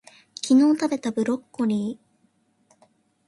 昨日たべたブロッコリー